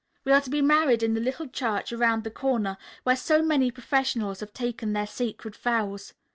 "We are to be married in the Little Church Around the Corner where so many professionals have taken their sacred vows.